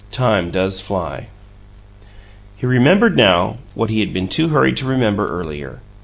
XIV TIME DOES FLY He remembered now what he had been too hurried to remember earlier.